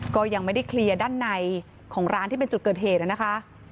ก็ยังไม่ได้เคลียร์ด้านในของร้านที่เป็นจุดเกิดเหตุนะคะ